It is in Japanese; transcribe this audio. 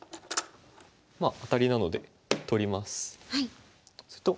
まあアタリなので取ります。